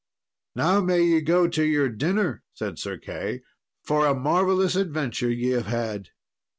"Now may ye go to your dinner," said Sir Key, "for a marvellous adventure ye have had."